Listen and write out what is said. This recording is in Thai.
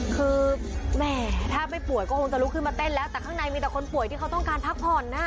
คือแหมถ้าไม่ป่วยก็คงจะลุกขึ้นมาเต้นแล้วแต่ข้างในมีแต่คนป่วยที่เขาต้องการพักผ่อนนะ